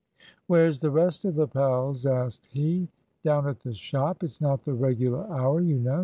"Where's the rest of the pals?" asked he. "Down at the shop. It's not the regular hour, you know.